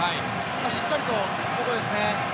しっかりとここですね。